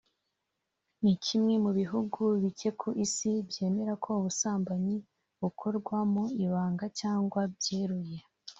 ni kimwe mu bihugu bike ku Isi byemera ko ubusambanyi bukorwa mu ibanga cyangwa byeruye